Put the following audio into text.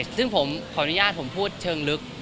ซึ่งผมขออนุญาตผมพูดเชิงลึก